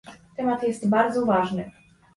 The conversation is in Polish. Temat jest bardzo ważny